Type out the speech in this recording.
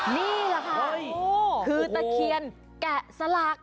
นี่แหละค่ะคือตะเคียนแกะสลัก